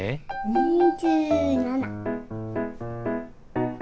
２７。